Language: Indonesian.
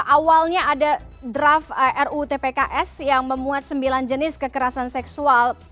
awalnya ada draft rutpks yang memuat sembilan jenis kekerasan seksual